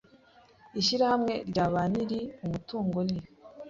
Ishyirahamwe rya ba nyir umutungo ni